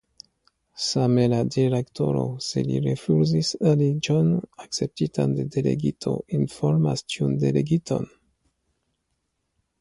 Same la Direktoro, se li rifuzis aliĝon akceptitan de Delegito, informas tiun Delegiton.